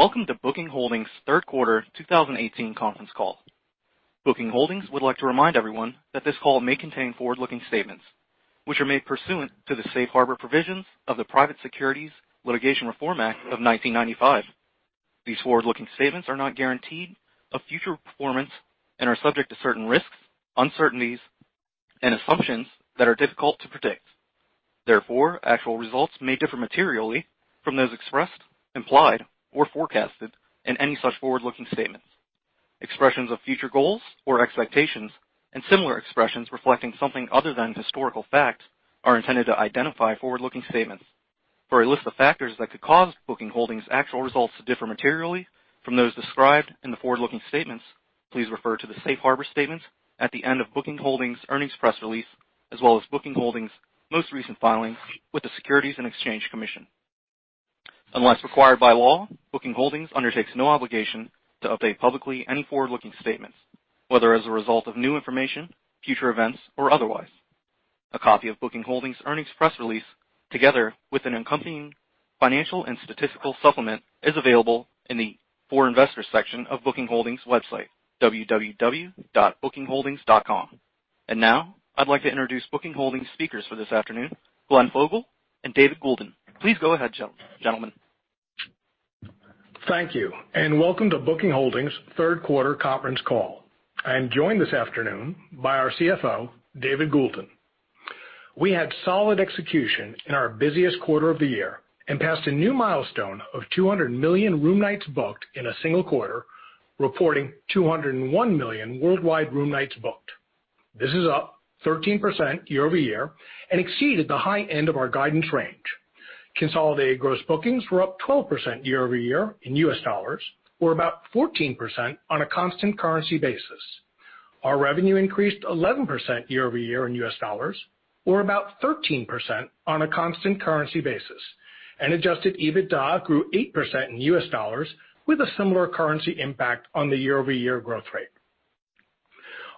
Welcome to Booking Holdings' third quarter 2018 conference call. Booking Holdings would like to remind everyone that this call may contain forward-looking statements which are made pursuant to the safe harbor provisions of the Private Securities Litigation Reform Act of 1995. These forward-looking statements are not guarantees of future performance and are subject to certain risks, uncertainties, and assumptions that are difficult to predict. Actual results may differ materially from those expressed, implied, or forecasted in any such forward-looking statements. Expressions of future goals or expectations and similar expressions reflecting something other than historical fact are intended to identify forward-looking statements. For a list of factors that could cause Booking Holdings actual results to differ materially from those described in the forward-looking statements, please refer to the safe harbor statements at the end of Booking Holdings earnings press release as well as Booking Holdings most recent filings with the Securities and Exchange Commission. Unless required by law, Booking Holdings undertakes no obligation to update publicly any forward-looking statements, whether as a result of new information, future events, or otherwise. A copy of Booking Holdings earnings press release, together with an accompanying financial and statistical supplement, is available in the For Investors section of Booking Holdings website, www.bookingholdings.com. Now I'd like to introduce Booking Holdings speakers for this afternoon, Glenn Fogel and David Goulden. Please go ahead, gentlemen. Thank you, welcome to Booking Holdings third quarter conference call. I am joined this afternoon by our CFO, David Goulden. We had solid execution in our busiest quarter of the year and passed a new milestone of 200 million room nights booked in a single quarter, reporting 201 million worldwide room nights booked. This is up 13% year-over-year and exceeded the high end of our guidance range. Consolidated gross bookings were up 12% year-over-year in U.S. dollars, or about 14% on a constant currency basis. Our revenue increased 11% year-over-year in U.S. dollars, or about 13% on a constant currency basis. Adjusted EBITDA grew 8% in U.S. dollars with a similar currency impact on the year-over-year growth rate.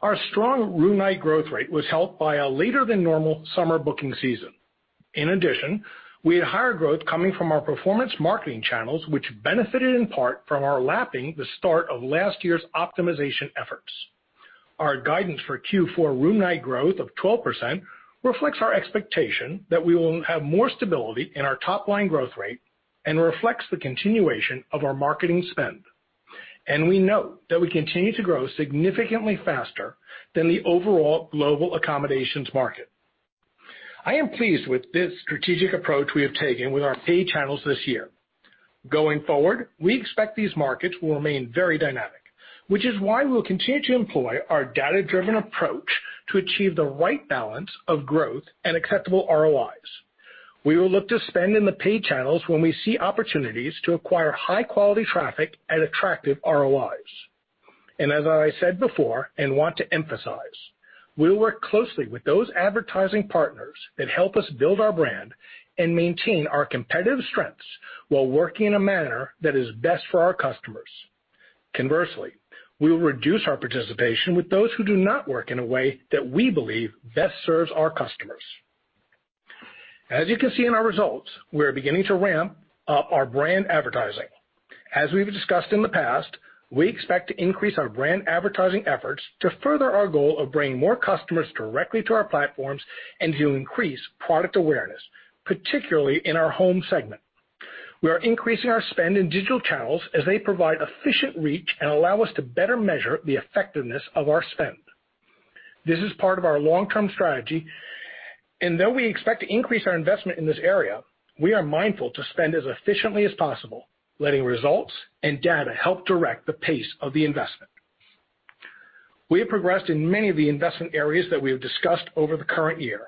Our strong room night growth rate was helped by a later than normal summer booking season. In addition, we had higher growth coming from our performance marketing channels, which benefited in part from our lapping the start of last year's optimization efforts. Our guidance for Q4 room night growth of 12% reflects our expectation that we will have more stability in our top-line growth rate and reflects the continuation of our marketing spend. We note that we continue to grow significantly faster than the overall global accommodations market. I am pleased with this strategic approach we have taken with our paid channels this year. Going forward, we expect these markets will remain very dynamic, which is why we will continue to employ our data-driven approach to achieve the right balance of growth and acceptable ROIs. We will look to spend in the paid channels when we see opportunities to acquire high-quality traffic at attractive ROIs. As I said before and want to emphasize, we will work closely with those advertising partners that help us build our brand and maintain our competitive strengths while working in a manner that is best for our customers. Conversely, we will reduce our participation with those who do not work in a way that we believe best serves our customers. As you can see in our results, we are beginning to ramp up our brand advertising. As we've discussed in the past, we expect to increase our brand advertising efforts to further our goal of bringing more customers directly to our platforms and to increase product awareness, particularly in our home segment. We are increasing our spend in digital channels as they provide efficient reach and allow us to better measure the effectiveness of our spend. This is part of our long-term strategy, though we expect to increase our investment in this area, we are mindful to spend as efficiently as possible, letting results and data help direct the pace of the investment. We have progressed in many of the investment areas that we have discussed over the current year.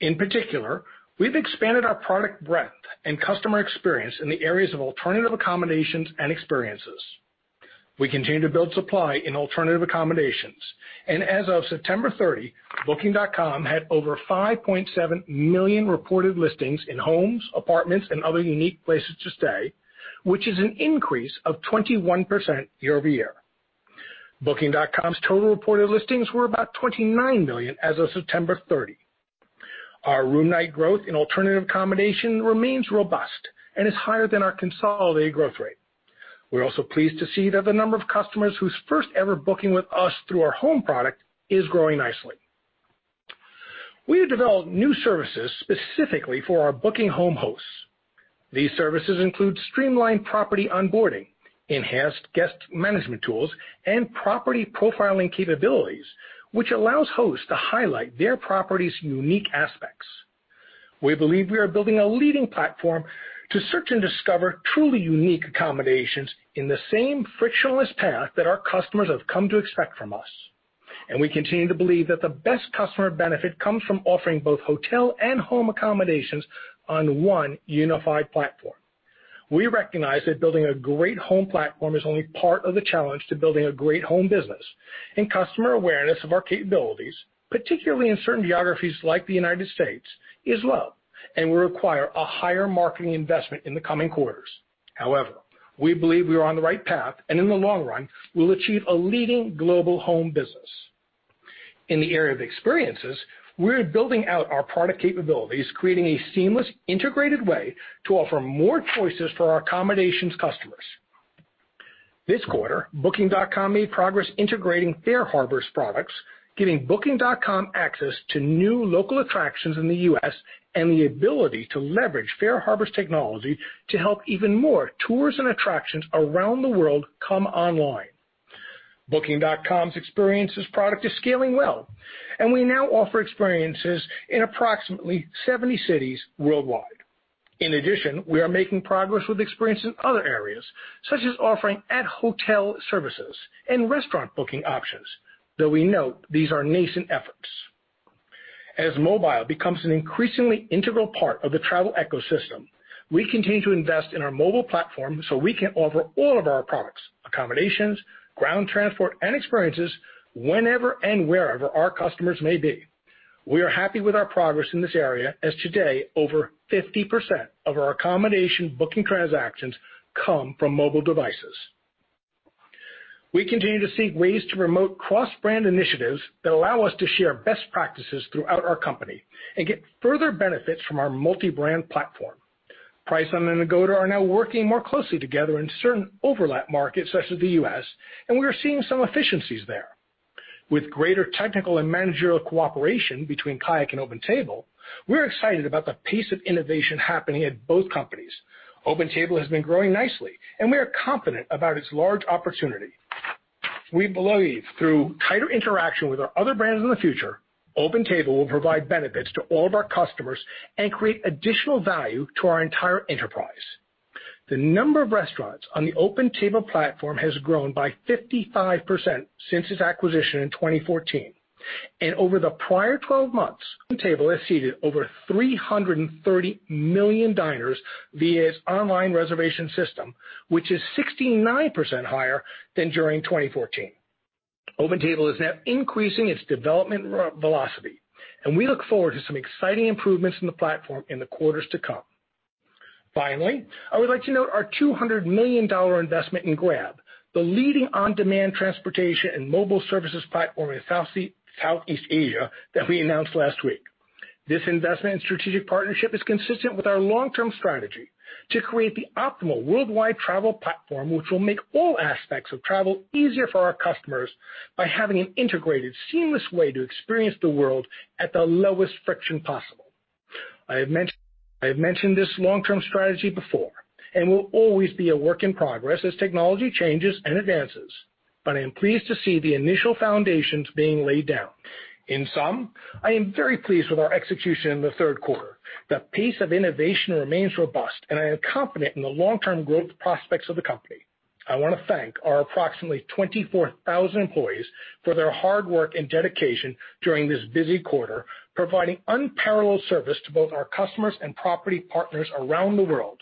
In particular, we've expanded our product breadth and customer experience in the areas of alternative accommodations and experiences. We continue to build supply in alternative accommodations, as of September 30, Booking.com had over 5.7 million reported listings in homes, apartments, and other unique places to stay, which is an increase of 21% year-over-year. Booking.com's total reported listings were about 29 million as of September 30. Our room night growth in alternative accommodation remains robust and is higher than our consolidated growth rate. We are also pleased to see that the number of customers whose first ever booking with us through our home product is growing nicely. We have developed new services specifically for our Booking home hosts. These services include streamlined property onboarding, enhanced guest management tools, and property profiling capabilities, which allows hosts to highlight their property's unique aspects. We believe we are building a leading platform to search and discover truly unique accommodations in the same frictionless path that our customers have come to expect from us. We continue to believe that the best customer benefit comes from offering both hotel and home accommodations on one unified platform. We recognize that building a great home platform is only part of the challenge to building a great home business, customer awareness of our capabilities, particularly in certain geographies like the U.S., is low and will require a higher marketing investment in the coming quarters. However, we believe we are on the right path, in the long run, we will achieve a leading global home business. In the area of experiences, we are building out our product capabilities, creating a seamless, integrated way to offer more choices for our accommodations customers. This quarter, Booking.com made progress integrating FareHarbor's products, giving Booking.com access to new local attractions in the U.S. and the ability to leverage FareHarbor's technology to help even more tours and attractions around the world come online. Booking.com's experiences product is scaling well, we now offer experiences in approximately 70 cities worldwide. In addition, we are making progress with experience in other areas, such as offering at-hotel services and restaurant booking options, though we note these are nascent efforts. As mobile becomes an increasingly integral part of the travel ecosystem, we continue to invest in our mobile platform so we can offer all of our products, accommodations, ground transport, and experiences, whenever and wherever our customers may be. We are happy with our progress in this area, as today over 50% of our accommodation booking transactions come from mobile devices. We continue to seek ways to promote cross-brand initiatives that allow us to share best practices throughout our company and get further benefits from our multi-brand platform. Priceline and Agoda are now working more closely together in certain overlap markets, such as the U.S., and we are seeing some efficiencies there. With greater technical and managerial cooperation between KAYAK and OpenTable, we're excited about the pace of innovation happening at both companies. OpenTable has been growing nicely, and we are confident about its large opportunity. We believe through tighter interaction with our other brands in the future, OpenTable will provide benefits to all of our customers and create additional value to our entire enterprise. The number of restaurants on the OpenTable platform has grown by 55% since its acquisition in 2014. Over the prior 12 months, OpenTable has seated over 330 million diners via its online reservation system, which is 69% higher than during 2014. OpenTable is now increasing its development velocity, and we look forward to some exciting improvements in the platform in the quarters to come. Finally, I would like to note our $200 million investment in Grab, the leading on-demand transportation and mobile services platform in Southeast Asia that we announced last week. This investment and strategic partnership is consistent with our long-term strategy to create the optimal worldwide travel platform, which will make all aspects of travel easier for our customers by having an integrated, seamless way to experience the world at the lowest friction possible. I have mentioned this long-term strategy before, will always be a work in progress as technology changes and advances, but I am pleased to see the initial foundations being laid down. In sum, I am very pleased with our execution in the third quarter. The pace of innovation remains robust, and I am confident in the long-term growth prospects of the company. I want to thank our approximately 24,000 employees for their hard work and dedication during this busy quarter, providing unparalleled service to both our customers and property partners around the world.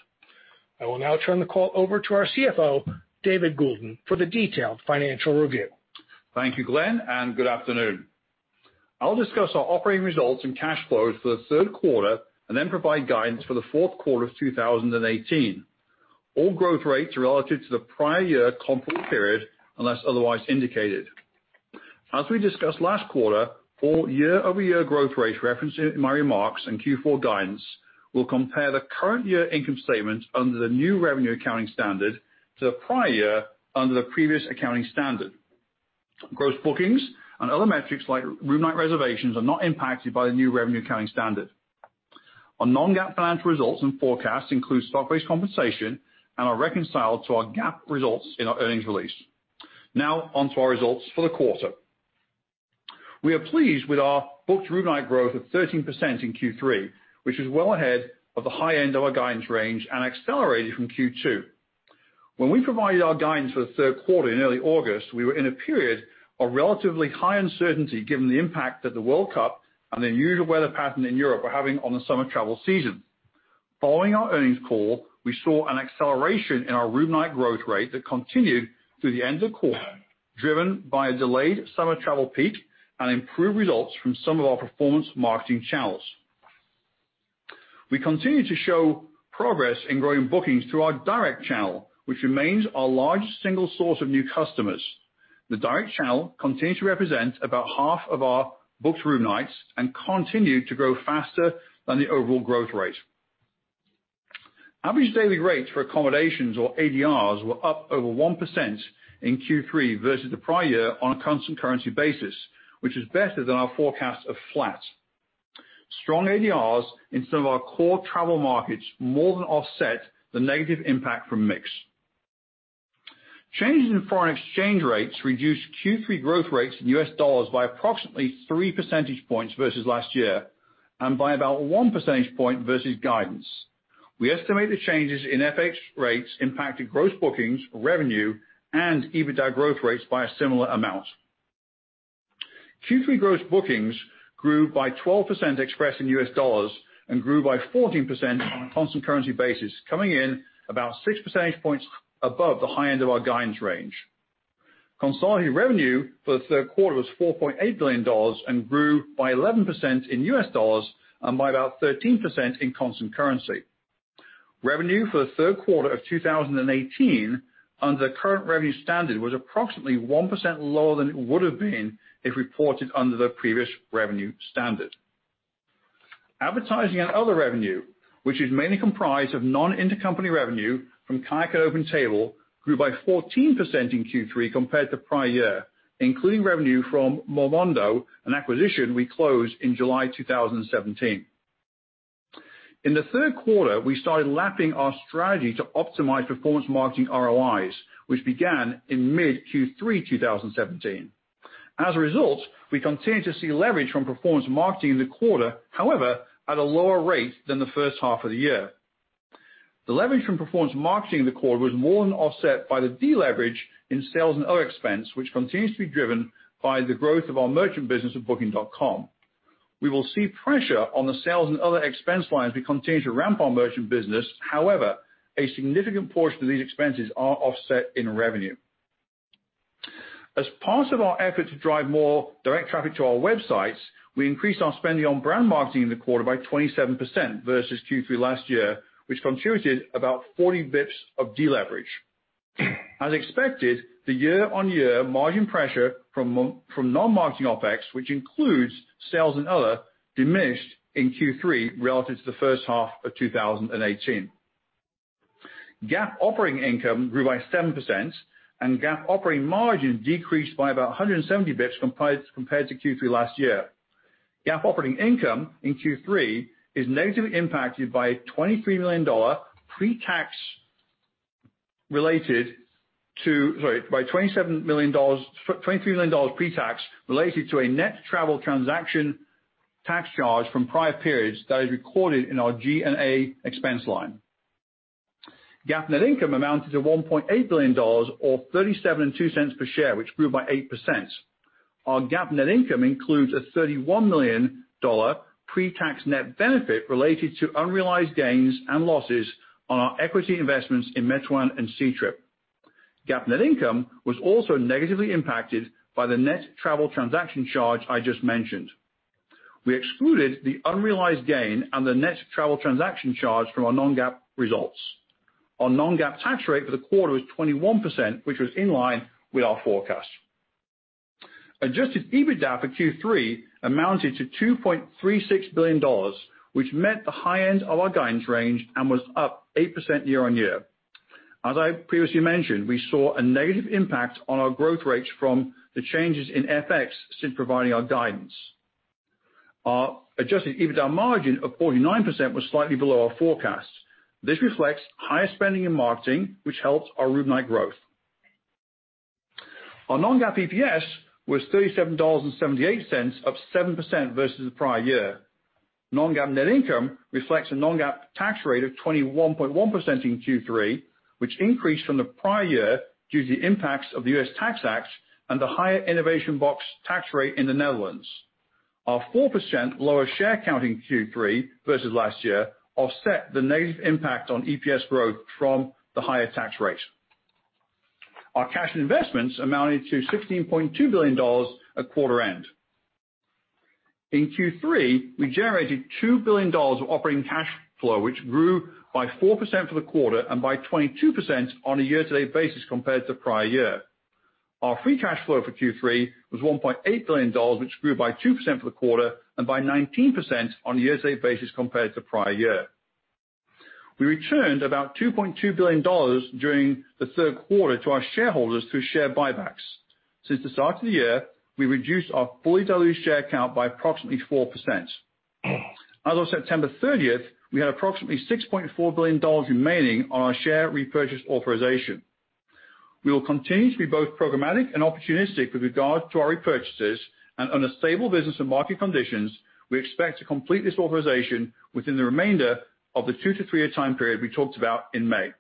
I will now turn the call over to our CFO, David Goulden, for the detailed financial review. Thank you, Glenn, and good afternoon. I'll discuss our operating results and cash flows for the third quarter and then provide guidance for the fourth quarter of 2018. All growth rates are relative to the prior year complete period, unless otherwise indicated. As we discussed last quarter, all year-over-year growth rates referenced in my remarks and Q4 guidance will compare the current year income statement under the new revenue accounting standard to the prior year under the previous accounting standard. Gross bookings and other metrics like room night reservations are not impacted by the new revenue accounting standard. Our non-GAAP financial results and forecasts include stock-based compensation and are reconciled to our GAAP results in our earnings release. Now on to our results for the quarter. We are pleased with our booked room night growth of 13% in Q3, which is well ahead of the high end of our guidance range and accelerated from Q2. When we provided our guidance for the third quarter in early August, we were in a period of relatively high uncertainty given the impact that the World Cup and the unusual weather pattern in Europe were having on the summer travel season. Following our earnings call, we saw an acceleration in our room night growth rate that continued through the end of the quarter, driven by a delayed summer travel peak and improved results from some of our performance marketing channels. We continue to show progress in growing bookings through our direct channel, which remains our largest single source of new customers. The direct channel continues to represent about half of our booked room nights and continue to grow faster than the overall growth rate. Average daily rates for accommodations, or ADRs, were up over 1% in Q3 versus the prior year on a constant currency basis, which is better than our forecast of flat. Strong ADRs in some of our core travel markets more than offset the negative impact from mix. Changes in foreign exchange rates reduced Q3 growth rates in U.S. dollars by approximately three percentage points versus last year and by about one percentage point versus guidance. We estimate the changes in FX rates impacted gross bookings, revenue, and EBITDA growth rates by a similar amount. Q3 gross bookings grew by 12% expressed in U.S. dollars and grew by 14% on a constant currency basis, coming in about six percentage points above the high end of our guidance range. Consolidated revenue for the third quarter was $4.8 billion and grew by 11% in U.S. dollars and by about 13% in constant currency. Revenue for the third quarter of 2018 under current revenue standard was approximately 1% lower than it would have been if reported under the previous revenue standard. Advertising and other revenue, which is mainly comprised of non-intercompany revenue from KAYAK and OpenTable, grew by 14% in Q3 compared to prior year, including revenue from Momondo, an acquisition we closed in July 2017. In the third quarter, we started lapping our strategy to optimize performance marketing ROIs, which began in mid-Q3 2017. As a result, we continue to see leverage from performance marketing in the quarter, however, at a lower rate than the first half of the year. The leverage from performance marketing in the quarter was more than offset by the deleverage in sales and other expense, which continues to be driven by the growth of our merchant business at Booking.com. We will see pressure on the sales and other expense line as we continue to ramp our merchant business. However, a significant portion of these expenses are offset in revenue. As part of our effort to drive more direct traffic to our websites, we increased our spending on brand marketing in the quarter by 27% versus Q3 last year, which constituted about 40 basis points of deleverage. As expected, the year-over-year margin pressure from non-marketing OpEx, which includes sales and other, diminished in Q3 relative to the first half of 2018. GAAP operating income grew by 7% and GAAP operating margin decreased by about 170 basis points compared to Q3 last year. GAAP operating income in Q3 is negatively impacted by $23 million pre-tax related to $23 million pre-tax related to a net travel transaction tax charge from prior periods that is recorded in our G&A expense line. GAAP net income amounted to $1.8 billion or $37.02 per share, which grew by 8%. Our GAAP net income includes a $31 million pre-tax net benefit related to unrealized gains and losses on our equity investments in Meituan and Ctrip. GAAP net income was also negatively impacted by the net travel transaction charge I just mentioned. We excluded the unrealized gain on the net travel transaction charge from our non-GAAP results. Our non-GAAP tax rate for the quarter was 21%, which was in line with our forecast. Adjusted EBITDA for Q3 amounted to $2.36 billion, which met the high end of our guidance range and was up 8% year-over-year. As I previously mentioned, we saw a negative impact on our growth rates from the changes in FX since providing our guidance. Our adjusted EBITDA margin of 49% was slightly below our forecast. This reflects higher spending in marketing, which helps our room night growth. Our non-GAAP EPS was $37.78, up 7% versus the prior year. Non-GAAP net income reflects a non-GAAP tax rate of 21.1% in Q3, which increased from the prior year due to the impacts of the U.S. Tax Act and the higher Innovation Box tax rate in the Netherlands. Our 4% lower share count in Q3 versus last year offset the negative impact on EPS growth from the higher tax rate. Our cash investments amounted to $16.2 billion at quarter end. In Q3, we generated $2 billion of operating cash flow, which grew by 4% for the quarter and by 22% on a year-to-date basis compared to prior year. Our free cash flow for Q3 was $1.8 billion, which grew by 2% for the quarter and by 19% on a year-to-date basis compared to prior year. We returned about $2.2 billion during the third quarter to our shareholders through share buybacks. Since the start of the year, we reduced our fully diluted share count by approximately 4%. As of September 30th, we had approximately $6.4 billion remaining on our share repurchase authorization. We will continue to be both programmatic and opportunistic with regard to our repurchases and under stable business and market conditions, we expect to complete this authorization within the remainder of the two to three-year time period we talked about in May.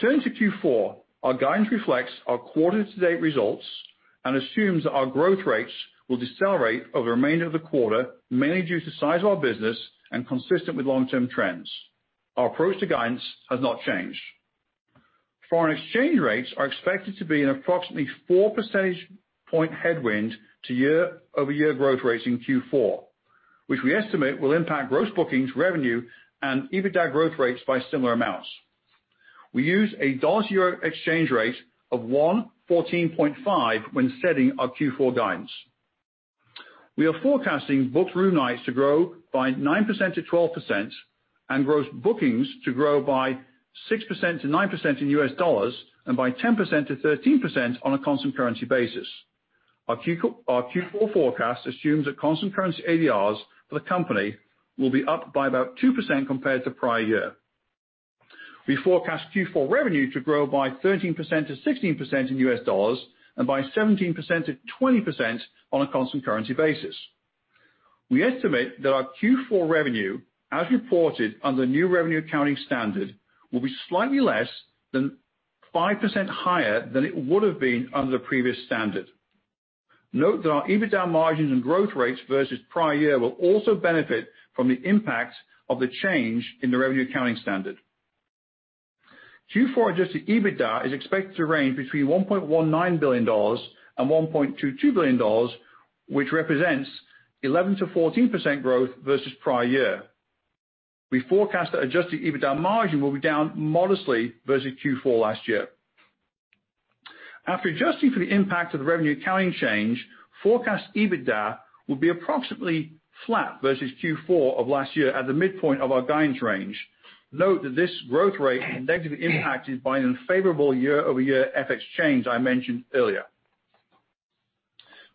Turning to Q4, our guidance reflects our quarter-to-date results and assumes that our growth rates will decelerate over the remainder of the quarter, mainly due to the size of our business and consistent with long-term trends. Our approach to guidance has not changed. Foreign exchange rates are expected to be an approximately 4 percentage point headwind to year-over-year growth rates in Q4, which we estimate will impact gross bookings, revenue, and EBITDA growth rates by similar amounts. We use a dollar EUR exchange rate of 1.145 when setting our Q4 guidance. We are forecasting booked room nights to grow by 9%-12% and gross bookings to grow by 6%-9% in U.S. dollars and by 10%-13% on a constant currency basis. Our Q4 forecast assumes that constant currency ADRs for the company will be up by about 2% compared to prior year. We forecast Q4 revenue to grow by 13%-16% in U.S. dollars and by 17%-20% on a constant currency basis. We estimate that our Q4 revenue, as reported under the new revenue accounting standard, will be slightly less than 5% higher than it would have been under the previous standard. Note that our EBITDA margins and growth rates versus prior year will also benefit from the impact of the change in the revenue accounting standard. Q4 adjusted EBITDA is expected to range between $1.19 billion-$1.22 billion, which represents 11%-14% growth versus prior year. We forecast that adjusted EBITDA margin will be down modestly versus Q4 last year. After adjusting for the impact of the revenue accounting change, forecast EBITDA will be approximately flat versus Q4 of last year at the midpoint of our guidance range. Note that this growth rate is negatively impacted by an unfavorable year-over-year FX change I mentioned earlier.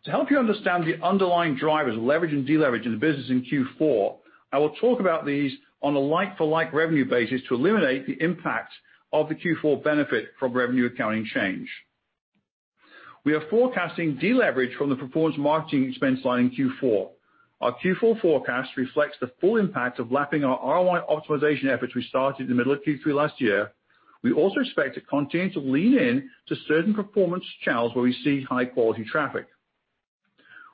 To help you understand the underlying drivers of leverage and deleverage in the business in Q4, I will talk about these on a like-for-like revenue basis to eliminate the impact of the Q4 benefit from revenue accounting change. We are forecasting deleverage from the performance marketing expense line in Q4. Our Q4 forecast reflects the full impact of lapping our ROI optimization efforts we started in the middle of Q3 last year. We also expect to continue to lean in to certain performance channels where we see high-quality traffic.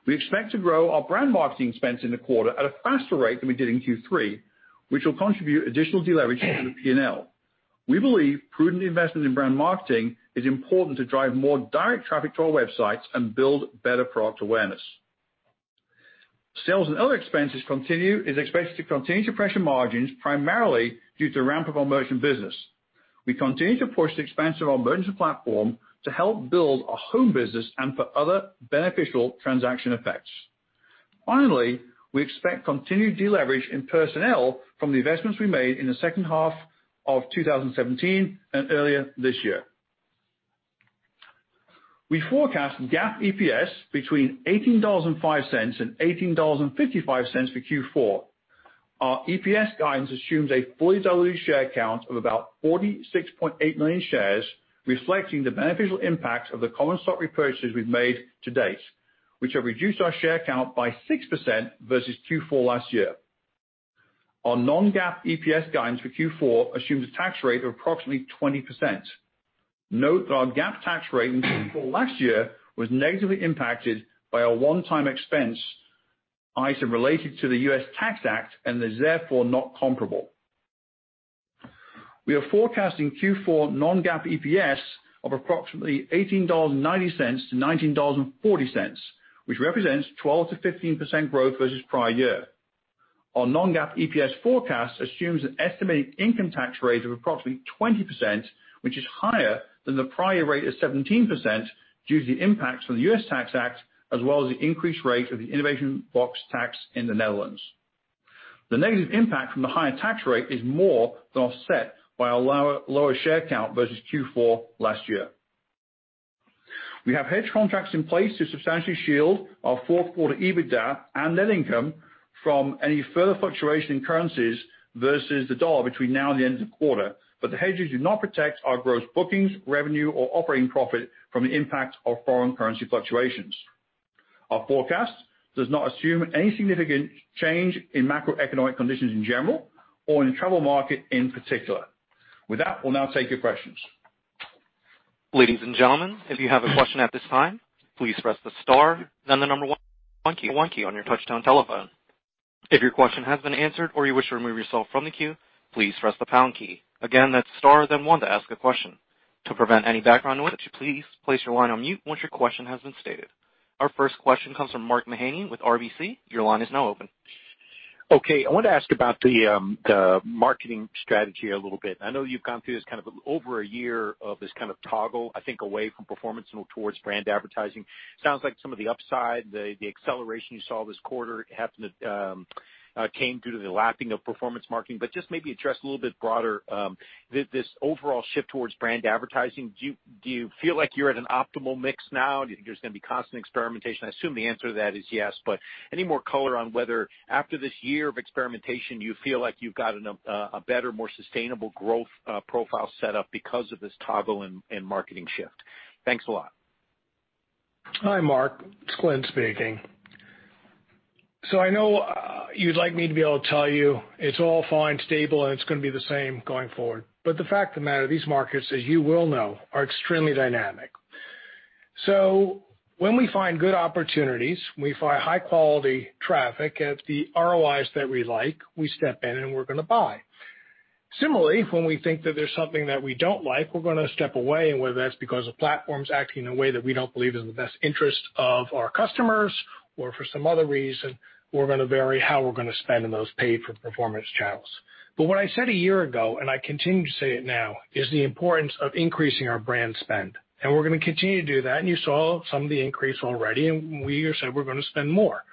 We expect to grow our brand marketing expense in the quarter at a faster rate than we did in Q3, which will contribute additional deleverage to the P&L. We believe prudent investment in brand marketing is important to drive more direct traffic to our websites and build better product awareness. Sales and other expenses is expected to continue to pressure margins primarily due to ramp of our merchant business. We continue to push the expansion of our merchant platform to help build our home business and for other beneficial transaction effects. Finally, we expect continued deleverage in personnel from the investments we made in the second half of 2017 and earlier this year. We forecast GAAP EPS between $18.05-$18.55 for Q4. Our EPS guidance assumes a fully diluted share count of about 46.8 million shares, reflecting the beneficial impact of the common stock repurchases we've made to date, which have reduced our share count by 6% versus Q4 last year. Our non-GAAP EPS guidance for Q4 assumes a tax rate of approximately 20%. Note that our GAAP tax rate in Q4 last year was negatively impacted by a one-time expense item related to the U.S. Tax Act and is therefore not comparable. We are forecasting Q4 non-GAAP EPS of approximately $18.90-$19.40, which represents 12%-15% growth versus prior year. Our non-GAAP EPS forecast assumes an estimated income tax rate of approximately 20%, which is higher than the prior rate of 17% due to the impacts from the U.S. Tax Act, as well as the increased rate of the Innovation Box tax in the Netherlands. The negative impact from the higher tax rate is more than offset by our lower share count versus Q4 last year. We have hedge contracts in place to substantially shield our fourth quarter EBITDA and net income from any further fluctuation in currencies versus the dollar between now and the end of the quarter. The hedges do not protect our gross bookings, revenue, or operating profit from the impact of foreign currency fluctuations. Our forecast does not assume any significant change in macroeconomic conditions in general or in the travel market in particular. With that, we'll now take your questions. Ladies and gentlemen, if you have a question at this time, please press the star then the number one key on your touchtone telephone. If your question has been answered or you wish to remove yourself from the queue, please press the pound key. Again, that's star then one to ask a question. To prevent any background noise, would you please place your line on mute once your question has been stated. Our first question comes from Mark Mahaney with RBC. Your line is now open. I wanted to ask about the marketing strategy a little bit. I know you've gone through this over a year of this kind of toggle, I think, away from performance and towards brand advertising. Sounds like some of the upside, the acceleration you saw this quarter came due to the lapping of performance marketing. Just maybe address a little bit broader this overall shift towards brand advertising. Do you feel like you're at an optimal mix now? Do you think there's going to be constant experimentation? I assume the answer to that is yes. Any more color on whether after this year of experimentation, you feel like you've got a better, more sustainable growth profile set up because of this toggle and marketing shift? Thanks a lot. Hi, Mark, it's Glenn speaking. I know you'd like me to be able to tell you it's all fine, stable, and it's going to be the same going forward. The fact of the matter, these markets, as you well know, are extremely dynamic. When we find good opportunities, we find high-quality traffic at the ROIs that we like, we step in, and we're going to buy. Similarly, when we think that there's something that we don't like, we're going to step away. Whether that's because a platform's acting in a way that we don't believe is in the best interest of our customers or for some other reason, we're going to vary how we're going to spend in those paid-for-performance channels. What I said a year ago, and I continue to say it now, is the importance of increasing our brand spend, and we're going to continue to do that, and you saw some of the increase already, and we said we're going to spend more.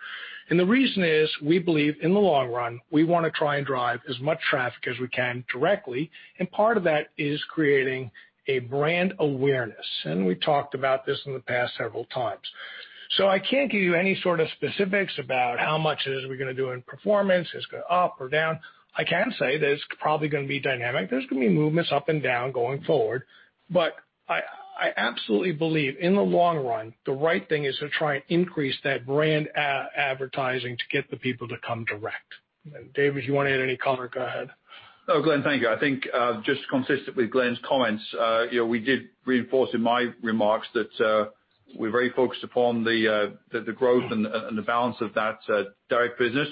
The reason is, we believe in the long run, we want to try and drive as much traffic as we can directly, and part of that is creating a brand awareness. We've talked about this in the past several times. I can't give you any sort of specifics about how much it is we're going to do in performance, is it going up or down. I can say that it's probably going to be dynamic. There's going to be movements up and down going forward. I absolutely believe in the long run, the right thing is to try and increase that brand advertising to get the people to come direct. David, if you want to add any color, go ahead. No, Glenn, thank you. I think just consistent with Glenn's comments, we did reinforce in my remarks that we're very focused upon the growth and the balance of that direct business,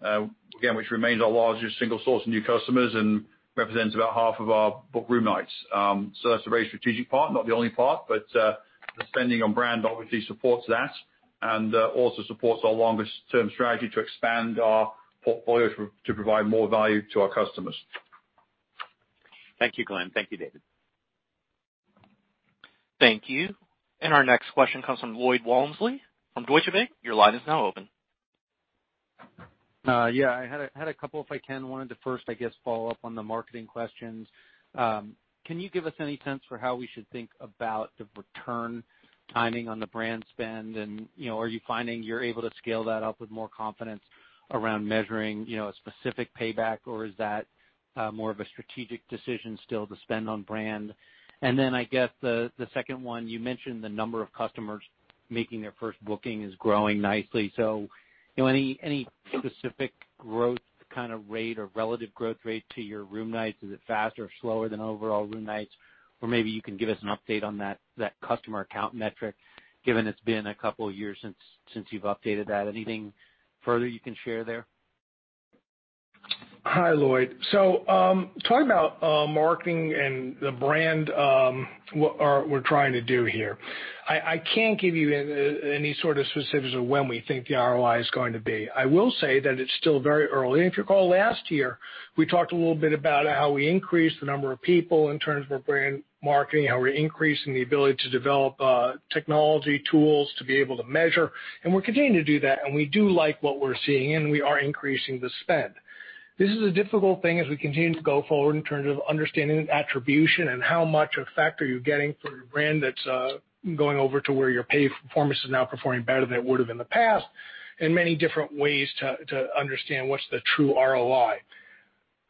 again, which remains our largest single source of new customers and represents about half of our booked room nights. That's a very strategic part, not the only part, but the spending on brand obviously supports that and also supports our longest term strategy to expand our portfolio to provide more value to our customers. Thank you, Glenn. Thank you, David. Thank you. Our next question comes from Lloyd Walmsley, from Deutsche Bank. Your line is now open. I had a couple, if I can. Wanted to first, I guess, follow up on the marketing questions. Can you give us any sense for how we should think about the return timing on the brand spend? Are you finding you're able to scale that up with more confidence around measuring a specific payback, or is that more of a strategic decision still to spend on brand? Then, I guess, the second one, you mentioned the number of customers making their first booking is growing nicely. Any specific growth kind of rate or relative growth rate to your room nights? Is it faster or slower than overall room nights? Or maybe you can give us an update on that customer account metric, given it's been a couple of years since you've updated that. Anything further you can share there? Hi, Lloyd. Talking about marketing and the brand, what we're trying to do here. I can't give you any sort of specifics of when we think the ROI is going to be. I will say that it's still very early. If you recall last year, we talked a little bit about how we increased the number of people in terms of our brand marketing, how we're increasing the ability to develop technology tools to be able to measure, and we're continuing to do that, and we do like what we're seeing, and we are increasing the spend. This is a difficult thing as we continue to go forward in terms of understanding the attribution and how much effect are you getting for your brand that's going over to where your paid performance is now performing better than it would have in the past, and many different ways to understand what's the true ROI.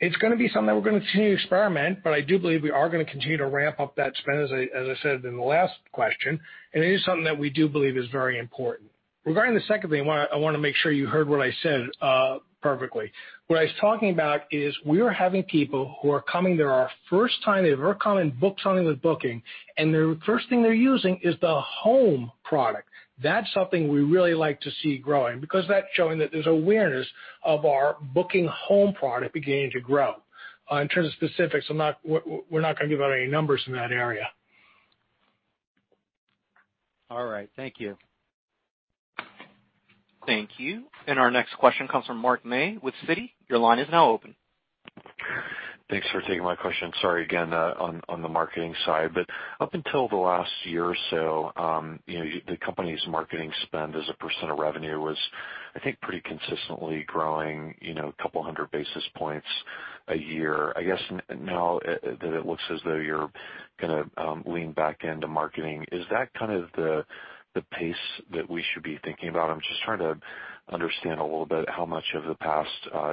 It's going to be something that we're going to continue to experiment, but I do believe we are going to continue to ramp up that spend, as I said in the last question, and it is something that we do believe is very important. Regarding the second thing, I want to make sure you heard what I said perfectly. What I was talking about is we are having people who are coming there are first time they've ever come and booked something with Booking, and the first thing they're using is the home product. That's something we really like to see growing because that's showing that there's awareness of our Booking home product beginning to grow. In terms of specifics, we're not going to give out any numbers in that area. All right. Thank you. Thank you. Our next question comes from Mark May with Citi. Your line is now open. Thanks for taking my question. Sorry again on the marketing side, up until the last year or so, the company's marketing spend as a % of revenue was, I think, pretty consistently growing a couple hundred basis points a year. I guess now that it looks as though you're going to lean back into marketing, is that kind of the pace that we should be thinking about? I'm just trying to understand a little bit how much of the past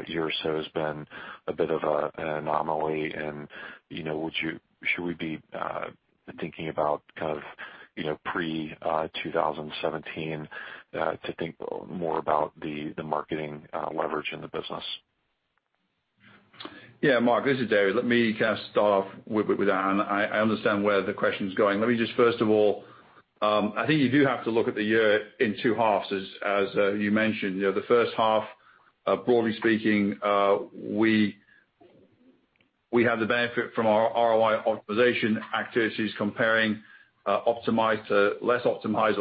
year or so has been a bit of an anomaly, and should we be thinking about pre-2017 to think more about the marketing leverage in the business? Mark, this is David. Let me kind of start off with that, and I understand where the question's going. Let me just first of all, I think you do have to look at the year in two halves, as you mentioned. The first half, broadly speaking, we have the benefit from our ROI optimization activities comparing optimized to less optimized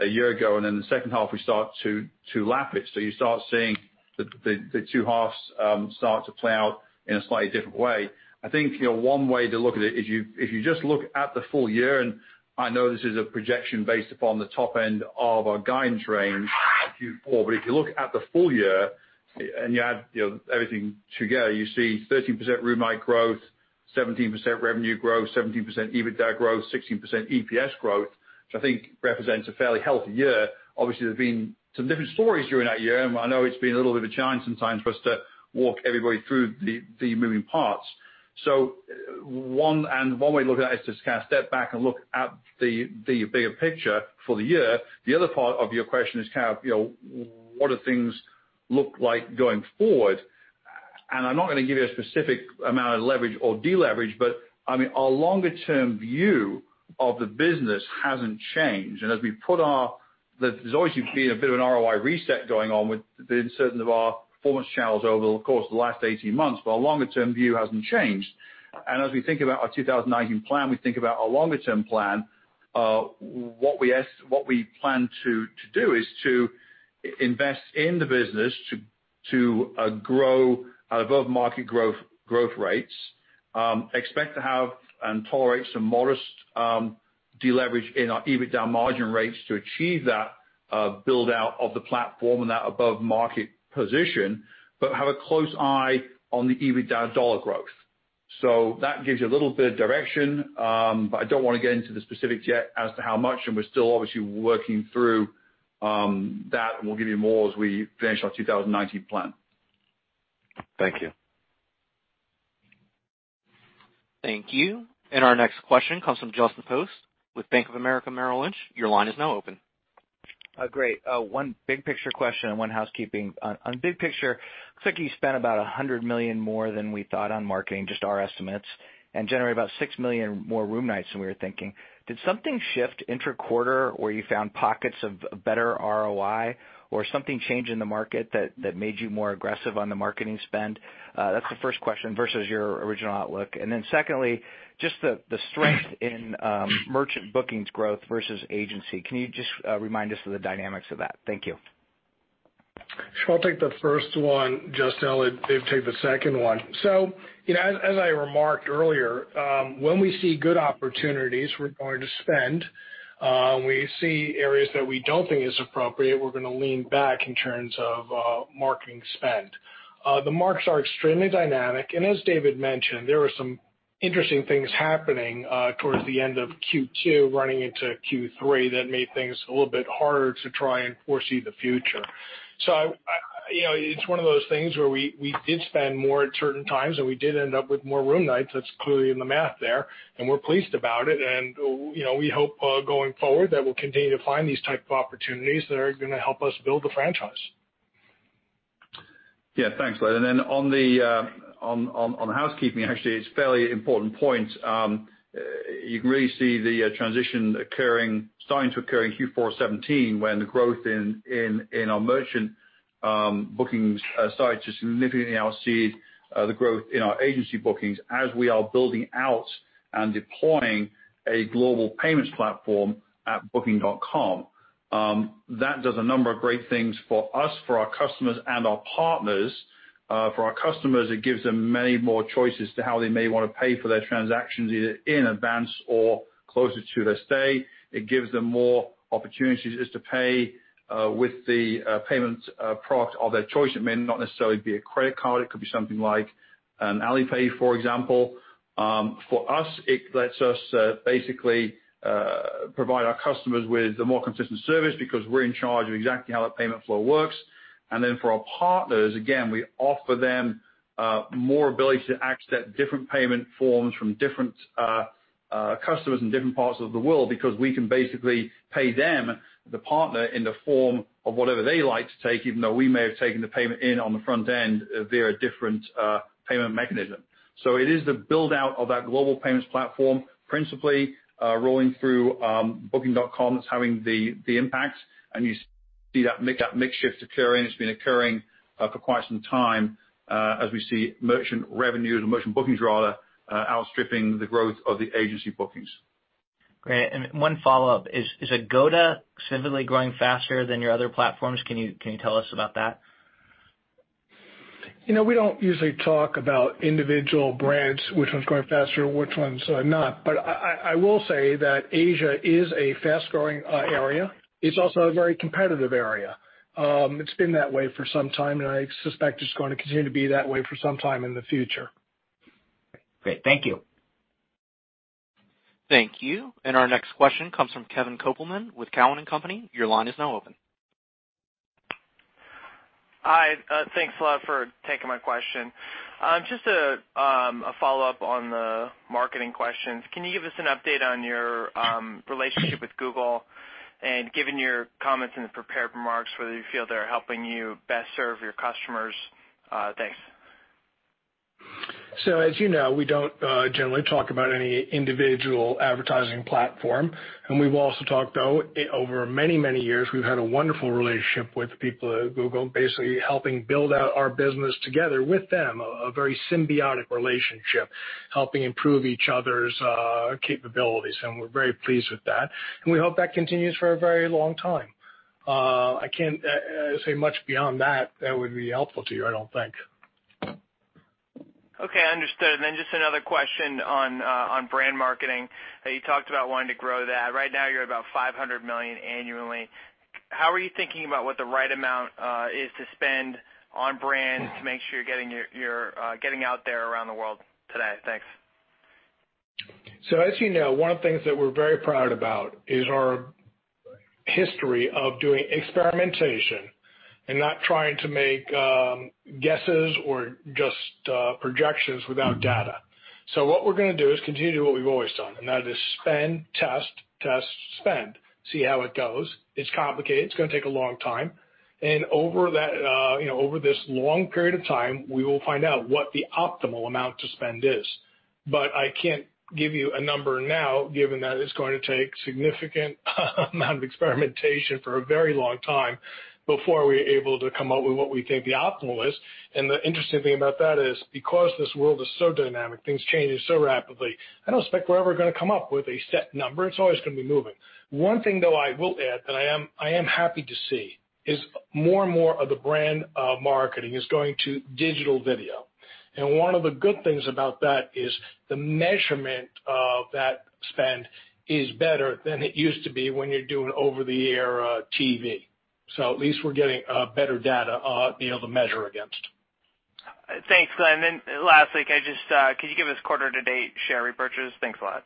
a year ago, and in the second half, we start to lap it. You start seeing the two halves start to play out in a slightly different way. I think one way to look at it is if you just look at the full year, and I know this is a projection based upon the top end of our guidance range Q4, but if you look at the full year and you add everything together, you see 13% room night growth, 17% revenue growth, 17% EBITDA growth, 16% EPS growth, which I think represents a fairly healthy year. Obviously, there have been some different stories during that year, and I know it's been a little bit of a challenge sometimes for us to walk everybody through the moving parts. One way to look at it is to kind of step back and look at the bigger picture for the year. The other part of your question is what do things look like going forward? I'm not going to give you a specific amount of leverage or deleverage, but I mean, our longer term view of the business hasn't changed. There's always been a bit of an ROI reset going on with the uncertainty of our performance channels over the course of the last 18 months, but our longer term view hasn't changed. As we think about our 2019 plan, we think about our longer term plan, what we plan to do is to invest in the business to grow at above market growth rates, expect to have and tolerate some modest deleverage in our EBITDA margin rates to achieve that build-out of the platform and that above market position, but have a close eye on the EBITDA dollar growth. That gives you a little bit of direction, but I don't want to get into the specifics yet as to how much, and we're still obviously working through that, and we'll give you more as we finish our 2019 plan. Thank you. Thank you. Our next question comes from Justin Post with Bank of America Merrill Lynch. Your line is now open. Great. One big picture question and one housekeeping. On big picture, looks like you spent about $100 million more than we thought on marketing, just our estimates, and generated about six million more room nights than we were thinking. Did something shift intra-quarter where you found pockets of better ROI or something change in the market that made you more aggressive on the marketing spend? That's the first question, versus your original outlook. Secondly, just the strength in merchant bookings growth versus agency. Can you just remind us of the dynamics of that? Thank you. Sure. I'll take the first one, just tell Dave to take the second one. As I remarked earlier, when we see good opportunities, we're going to spend. We see areas that we don't think is appropriate, we're going to lean back in terms of marketing spend. The markets are extremely dynamic, and as David mentioned, there were some interesting things happening towards the end of Q2 running into Q3 that made things a little bit harder to try and foresee the future. It's one of those things where we did spend more at certain times, and we did end up with more room nights. That's clearly in the math there, and we're pleased about it, and we hope, going forward, that we'll continue to find these type of opportunities that are going to help us build the franchise. Yeah. Thanks, Glenn. On the housekeeping, actually, it's a fairly important point. You can really see the transition starting to occur in Q4 2017, when the growth in our merchant bookings started to significantly exceed the growth in our agency bookings, as we are building out and deploying a global payments platform at booking.com. That does a number of great things for us, for our customers, and our partners. For our customers, it gives them many more choices to how they may want to pay for their transactions, either in advance or closer to their stay. It gives them more opportunities as to pay with the payments product of their choice. It may not necessarily be a credit card, it could be something like an Alipay, for example. For us, it lets us basically provide our customers with a more consistent service because we're in charge of exactly how that payment flow works. For our partners, again, we offer them more ability to accept different payment forms from different customers in different parts of the world because we can basically pay them, the partner, in the form of whatever they like to take, even though we may have taken the payment in on the front end via a different payment mechanism. It is the build-out of that global payments platform, principally rolling through booking.com that's having the impact. You see that mix shift occurring. It's been occurring for quite some time as we see merchant bookings outstripping the growth of the agency bookings. Great. One follow-up. Is Agoda significantly growing faster than your other platforms? Can you tell us about that? We don't usually talk about individual brands, which one's growing faster, which one's not. I will say that Asia is a fast-growing area. It's also a very competitive area. It's been that way for some time, and I suspect it's going to continue to be that way for some time in the future. Great. Thank you. Thank you. Our next question comes from Kevin Kopelman with Cowen and Company. Your line is now open. Hi. Thanks a lot for taking my question. Just a follow-up on the marketing questions. Can you give us an update on your relationship with Google? Given your comments in the prepared remarks, whether you feel they're helping you best serve your customers. Thanks. As you know, we don't generally talk about any individual advertising platform. We've also talked, over many, many years, we've had a wonderful relationship with the people at Google, basically helping build out our business together with them, a very symbiotic relationship, helping improve each other's capabilities. We're very pleased with that, and we hope that continues for a very long time. I can't say much beyond that that would be helpful to you, I don't think. Okay, understood. Just another question on brand marketing. You talked about wanting to grow that. Right now you're at about $500 million annually. How are you thinking about what the right amount is to spend on brand to make sure you're getting out there around the world today? Thanks. As you know, one of the things that we're very proud about is our history of doing experimentation and not trying to make guesses or just projections without data. What we're going to do is continue what we've always done, and that is spend test spend, see how it goes. It's complicated. It's going to take a long time. Over this long period of time, we will find out what the optimal amount to spend is. I can't give you a number now, given that it's going to take a significant amount of experimentation for a very long time before we're able to come up with what we think the optimal is. The interesting thing about that is, because this world is so dynamic, things change so rapidly, I don't expect we're ever going to come up with a set number. It's always going to be moving. One thing, though, I will add, that I am happy to see is more and more of the brand marketing is going to digital video. One of the good things about that is the measurement of that spend is better than it used to be when you're doing over-the-air TV. At least we're getting better data to be able to measure against. Thanks, Glenn. Lastly, can you give us quarter to date share repurchase? Thanks a lot.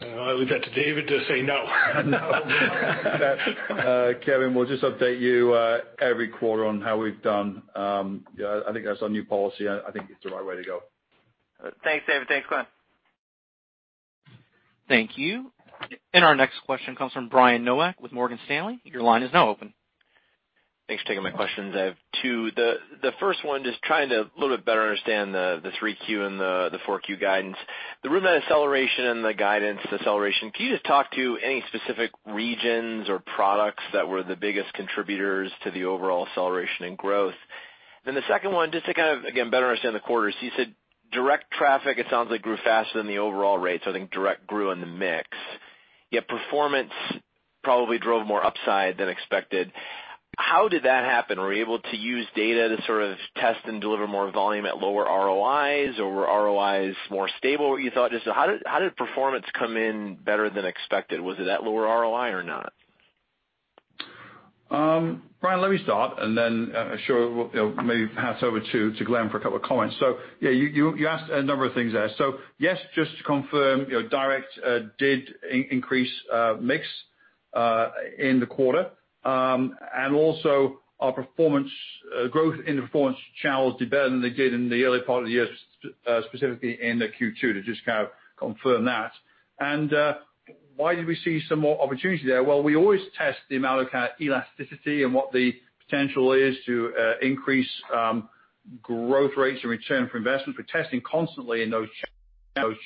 I leave that to David to say no. No. Kevin, we'll just update you every quarter on how we've done. I think that's our new policy, and I think it's the right way to go. Thanks, David. Thanks, Glenn. Thank you. Our next question comes from Brian Nowak with Morgan Stanley. Your line is now open. Thanks for taking my questions. I have two. The first one, just trying to a little bit better understand the 3Q and the 4Q guidance. The room acceleration and the guidance deceleration. Can you just talk to any specific regions or products that were the biggest contributors to the overall acceleration and growth? The second one, just to kind of, again, better understand the quarters. You said direct traffic, it sounds like grew faster than the overall rates. I think direct grew in the mix, yet performance probably drove more upside than expected. How did that happen? Were you able to use data to sort of test and deliver more volume at lower ROIs, or were ROIs more stable than what you thought? Just how did performance come in better than expected? Was it at lower ROI or not? Brian, let me start and then sure, maybe pass over to Glenn for a couple of comments. Yeah, you asked a number of things there. Yes, just to confirm, direct did increase mix in the quarter. Also our growth in the performance channels did better than they did in the early part of the year, specifically in the Q2, to just kind of confirm that. Why did we see some more opportunity there? Well, we always test the elasticity and what the potential is to increase growth rates and return for investment. We're testing constantly in those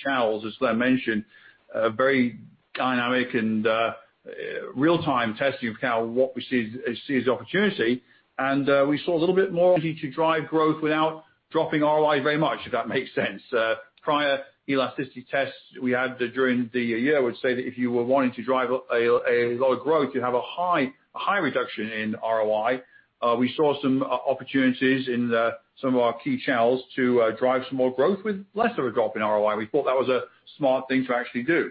channels, as Glenn mentioned, very dynamic and real-time testing of what we see as the opportunity, and we saw a little bit more to drive growth without dropping ROI very much, if that makes sense. Prior elasticity tests we had during the year would say that if you were wanting to drive a lot of growth, you'd have a high reduction in ROI. We saw some opportunities in some of our key channels to drive some more growth with less of a drop in ROI. We thought that was a smart thing to actually do.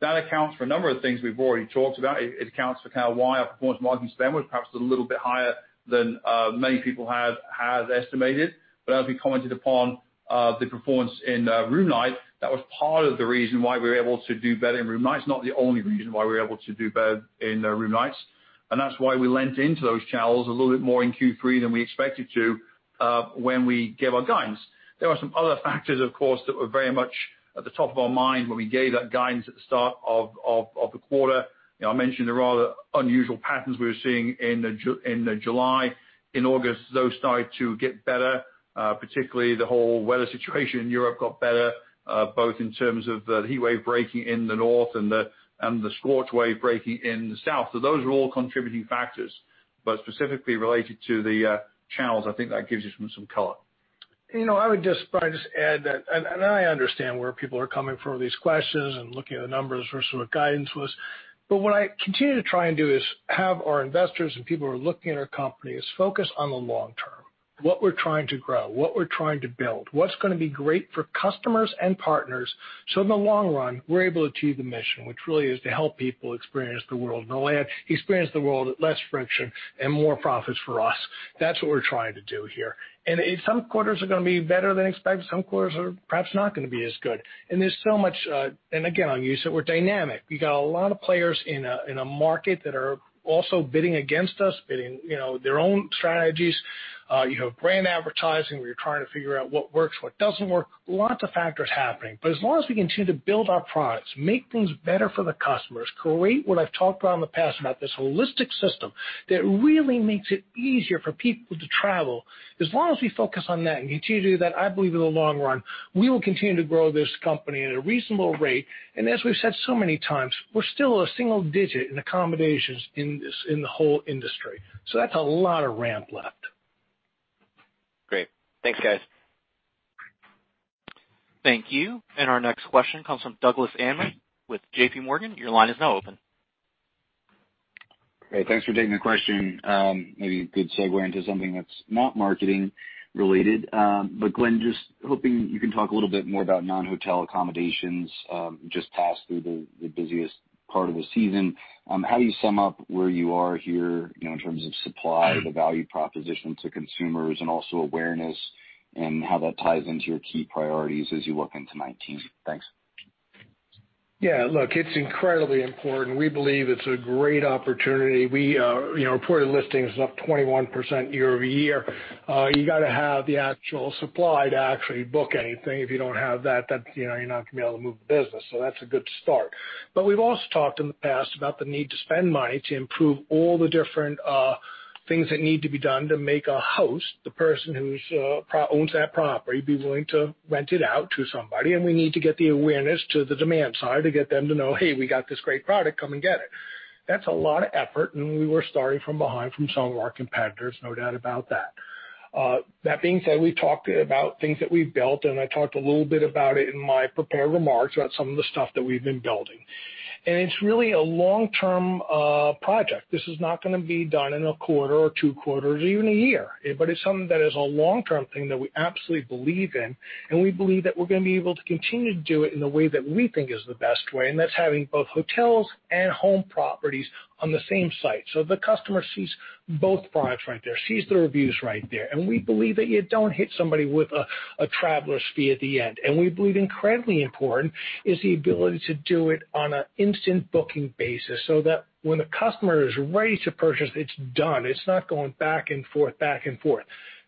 That accounts for a number of things we've already talked about. It accounts for kind of why our performance marketing spend was perhaps a little bit higher than many people have estimated. As we commented upon the performance in room nights, that was part of the reason why we were able to do better in room nights. Not the only reason why we were able to do better in room nights, that's why we leaned into those channels a little bit more in Q3 than we expected to when we gave our guidance. There were some other factors, of course, that were very much at the top of our mind when we gave that guidance at the start of the quarter. I mentioned the rather unusual patterns we were seeing in July. In August, those started to get better. Particularly the whole weather situation in Europe got better, both in terms of the heatwave breaking in the north and the scorch wave breaking in the south. Those were all contributing factors, but specifically related to the channels, I think that gives you some color. I would just add that, I understand where people are coming from with these questions and looking at the numbers versus what guidance was. What I continue to try and do is have our investors and people who are looking at our company is focus on the long term, what we're trying to grow, what we're trying to build, what's going to be great for customers and partners, so in the long run, we're able to achieve the mission, which really is to help people experience the world, and experience the world at less friction and more profits for us. That's what we're trying to do here. Some quarters are going to be better than expected, some quarters are perhaps not going to be as good. There's again, I'll use it, we're dynamic. We got a lot of players in a market that are also bidding against us, bidding their own strategies. You have brand advertising where you're trying to figure out what works, what doesn't work, lots of factors happening. As long as we continue to build our products, make things better for the customers, create what I've talked about in the past, about this holistic system that really makes it easier for people to travel. As long as we focus on that and continue to do that, I believe in the long run, we will continue to grow this company at a reasonable rate. As we've said so many times, we're still a single digit in accommodations in the whole industry. That's a lot of ramp left. Great. Thanks, guys. Thank you. Our next question comes from Douglas Anmuth with J.P. Morgan. Your line is now open. Great. Thanks for taking the question. Maybe a good segue into something that's not marketing related. Glenn, just hoping you can talk a little bit more about non-hotel accommodations, just past through the busiest part of the season. How do you sum up where you are here in terms of supply, the value proposition to consumers and also awareness and how that ties into your key priorities as you look into 2019? Thanks. Look, it's incredibly important. We believe it's a great opportunity. Reported listings is up 21% year-over-year. You got to have the actual supply to actually book anything. If you don't have that, you're not going to be able to move the business. That's a good start. We've also talked in the past about the need to spend money to improve all the different things that need to be done to make a host, the person who owns that property, be willing to rent it out to somebody, and we need to get the awareness to the demand side to get them to know, "Hey, we got this great product, come and get it." That's a lot of effort, and we were starting from behind from some of our competitors, no doubt about that. That being said, we talked about things that we've built, and I talked a little bit about it in my prepared remarks about some of the stuff that we've been building. It's really a long-term project. This is not going to be done in a quarter or two quarters or even a year, but it's something that is a long-term thing that we absolutely believe in, and we believe that we're going to be able to continue to do it in the way that we think is the best way, and that's having both hotels and home properties on the same site. The customer sees both products right there, sees the reviews right there, and we believe that you don't hit somebody with a traveler's fee at the end. We believe incredibly important is the ability to do it on an instant booking basis, so that when the customer is ready to purchase, it's done. It's not going back and forth, back and forth.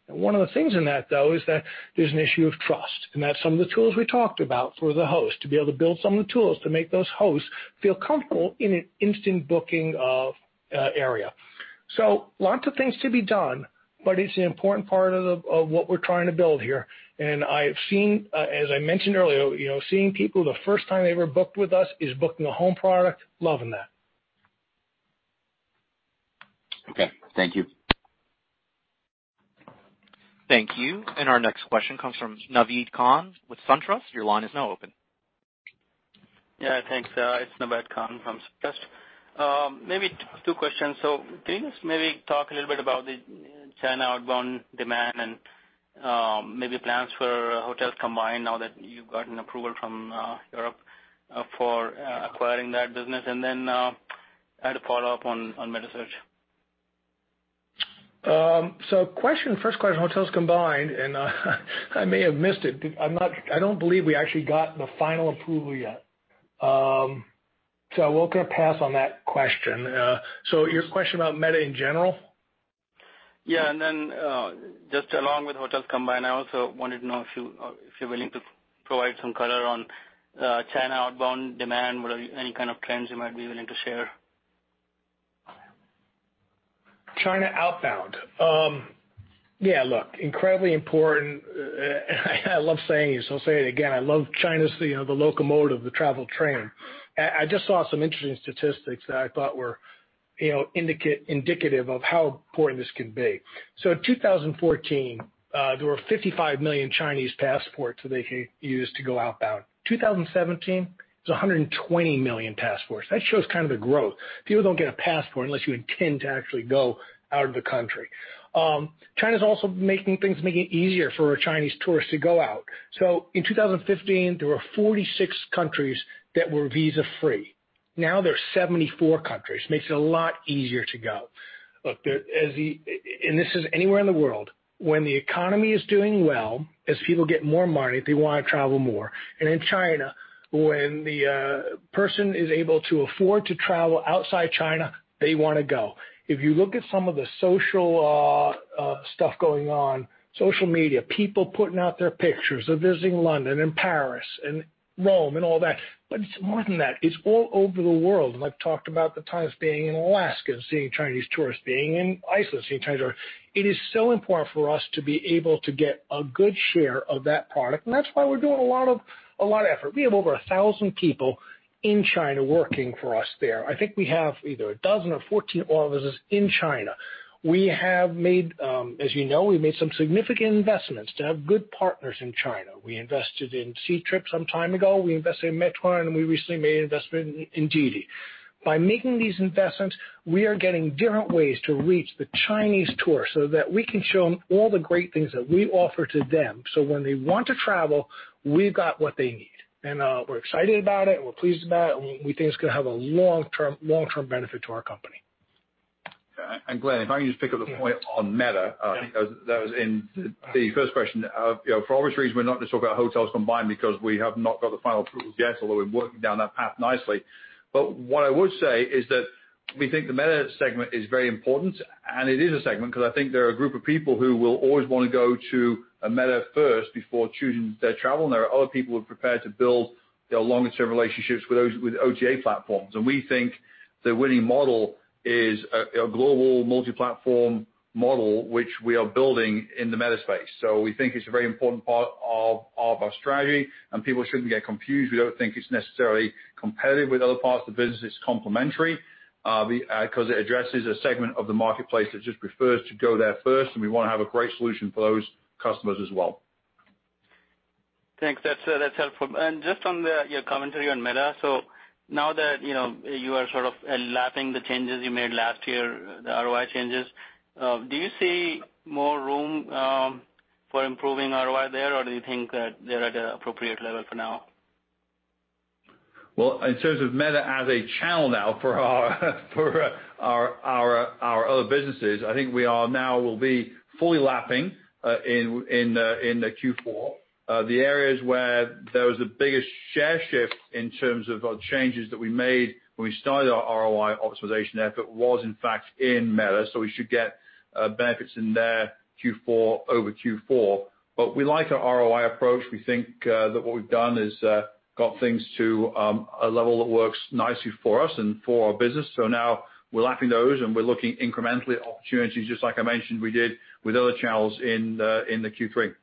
One of the things in that, though, is that there's an issue of trust, and that some of the tools we talked about for the host to be able to build some of the tools to make those hosts feel comfortable in an instant booking area. Lots of things to be done, but it's an important part of what we're trying to build here. As I mentioned earlier, seeing people the first time they ever booked with us is booking a home product, loving that. Okay. Thank you. Thank you. Our next question comes from Naved Khan with SunTrust. Your line is now open. Yeah, thanks. It's Naved Khan from SunTrust. Maybe two questions. Can you just maybe talk a little bit about the China outbound demand and maybe plans for HotelsCombined now that you've gotten approval from Europe for acquiring that business? I had a follow-up on metasearch. First question, HotelsCombined. I may have missed it. I don't believe we actually got the final approval yet. We're going to pass on that question. Your question about metasearch in general? Yeah. Just along with HotelsCombined, I also wanted to know if you're willing to provide some color on China outbound demand, whether any kind of plans you might be willing to share? China outbound. Yeah, look, incredibly important, and I love saying it, so I'll say it again, I love China's the locomotive of the travel train. I just saw some interesting statistics that I thought were indicative of how important this can be. In 2014, there were 55 million Chinese passports that they could use to go outbound. 2017, it's 120 million passports. That shows the growth. People don't get a passport unless you intend to actually go out of the country. China's also making things easier for Chinese tourists to go out. In 2015, there were 46 countries that were visa-free. Now there's 74 countries, makes it a lot easier to go. Look, this is anywhere in the world, when the economy is doing well, as people get more money, they want to travel more. In China, when the person is able to afford to travel outside China, they want to go. If you look at some of the social stuff going on, social media, people putting out their pictures of visiting London and Paris and Rome and all that. It's more than that. It's all over the world, and I've talked about the times being in Alaska and seeing Chinese tourists, being in Iceland, seeing Chinese tourists. It is so important for us to be able to get a good share of that product, and that's why we're doing a lot of effort. We have over 1,000 people in China working for us there. I think we have either a dozen or 14 offices in China. As you know, we've made some significant investments to have good partners in China. We invested in Ctrip some time ago, we invested in Meituan, and we recently made an investment in Didi. By making these investments, we are getting different ways to reach the Chinese tourists so that we can show them all the great things that we offer to them, so when they want to travel, we've got what they need. We're excited about it, and we're pleased about it, and we think it's going to have a long-term benefit to our company. Glenn, if I can just pick up a point on Meta, because that was in the first question. For obvious reasons, we're not going to talk about HotelsCombined because we have not got the final approvals yet, although we're working down that path nicely. What I would say is that we think the Meta segment is very important, and it is a segment because I think there are a group of people who will always want to go to a Meta first before choosing their travel, and there are other people who are prepared to build their longer-term relationships with OTA platforms. We think the winning model is a global multi-platform model, which we are building in the Meta space. We think it's a very important part of our strategy, and people shouldn't get confused. We don't think it's necessarily competitive with other parts of the business. It's complementary, because it addresses a segment of the marketplace that just prefers to go there first, and we want to have a great solution for those customers as well. Thanks. That's helpful. Just on your commentary on Metasearch, now that you are sort of lapping the changes you made last year, the ROI changes, do you see more room for improving ROI there, or do you think that they're at an appropriate level for now? In terms of Metasearch as a channel now for our other businesses, I think we are now will be fully lapping in the Q4. The areas where there was the biggest share shift in terms of changes that we made when we started our ROI optimization effort was in fact in Metasearch, we should get benefits in there over Q4. We like our ROI approach. We think that what we've done is got things to a level that works nicely for us and for our business. Now we're lapping those, and we're looking incrementally at opportunities, just like I mentioned we did with other channels in the Q3.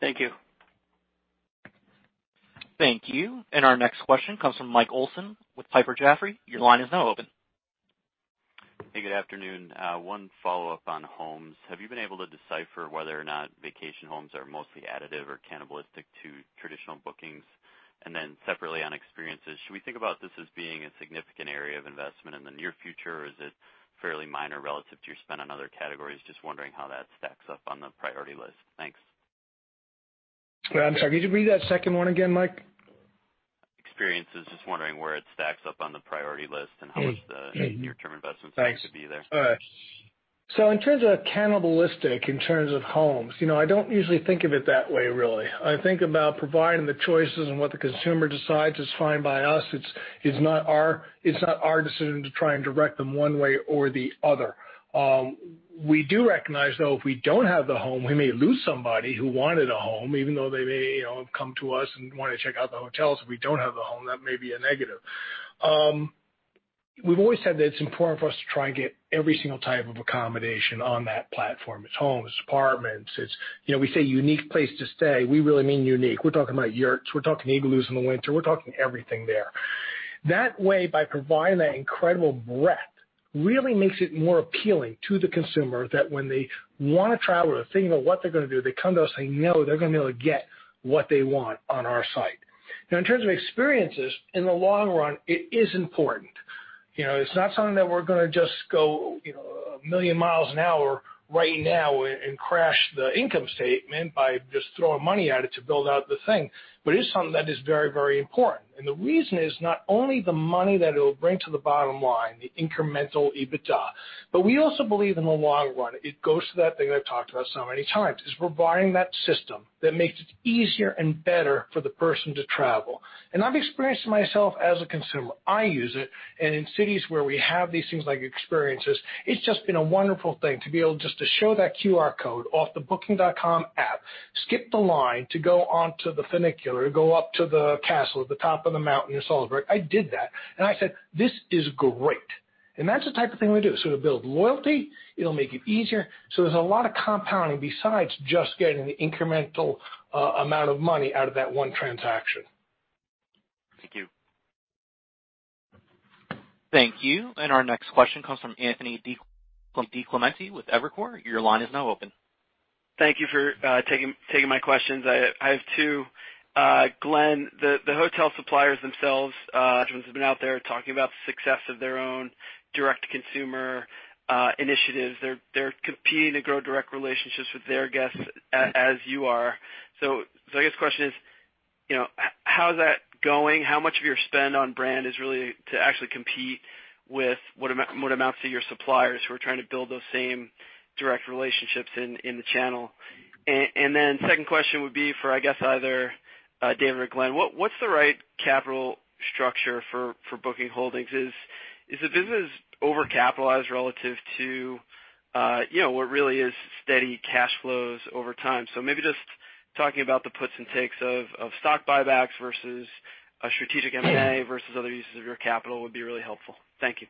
Thank you. Thank you. Our next question comes from Michael Olson with Piper Jaffray. Your line is now open. Hey, good afternoon. One follow-up on homes. Have you been able to decipher whether or not vacation homes are mostly additive or cannibalistic to traditional bookings? Separately on experiences, should we think about this as being a significant area of investment in the near future, or is it fairly minor relative to your spend on other categories? Just wondering how that stacks up on the priority list. Thanks. I'm sorry, could you read that second one again, Mike? Experiences, just wondering where it stacks up on the priority list and how much the near-term investment stack could be there. Thanks. All right. In terms of cannibalistic, in terms of homes, I don't usually think of it that way, really. I think about providing the choices and what the consumer decides is fine by us. It's not our decision to try and direct them one way or the other. We do recognize, though, if we don't have the home, we may lose somebody who wanted a home, even though they may have come to us and want to check out the hotels. If we don't have the home, that may be a negative. We've always said that it's important for us to try and get every single type of accommodation on that platform. It's homes, it's apartments. We say unique place to stay, we really mean unique. We're talking about yurts, we're talking igloos in the winter, we're talking everything there. That way, by providing that incredible breadth, really makes it more appealing to the consumer that when they want to travel or think about what they're going to do, they come to us, they know they're going to be able to get what they want on our site. In terms of experiences, in the long run, it is important. It's not something that we're going to just go a million miles an hour right now and crash the income statement by just throwing money at it to build out the thing. It is something that is very important. The reason is not only the money that it'll bring to the bottom line, the incremental EBITDA, we also believe in the long run, it goes to that thing that I've talked about so many times, is we're buying that system that makes it easier and better for the person to travel. I've experienced it myself as a consumer. I use it, and in cities where we have these things like experiences, it's just been a wonderful thing to be able just to show that QR code off the Booking.com app, skip the line to go onto the funicular, go up to the castle at the top of the mountain in Salzburg. I did that and I said, "This is great." That's the type of thing we do. It'll build loyalty, it'll make it easier. There's a lot of compounding besides just getting the incremental amount of money out of that one transaction. Thank you. Thank you. Our next question comes from Anthony DiClemente with Evercore. Your line is now open. Thank you for taking my questions. I have two. Glenn, the hotel suppliers themselves, have been out there talking about the success of their own direct consumer initiatives. They're competing to grow direct relationships with their guests as you are. I guess the question is, how's that going? How much of your spend on brand is really to actually compete with what amounts to your suppliers who are trying to build those same direct relationships in the channel? Second question would be for, I guess, either David or Glenn. What's the right capital structure for Booking Holdings? Is the business over-capitalized relative to what really is steady cash flows over time? Maybe just talking about the puts and takes of stock buybacks versus a strategic M&A versus other uses of your capital would be really helpful. Thank you.